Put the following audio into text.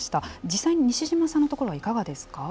実際に西嶋さんのところはいかがですか。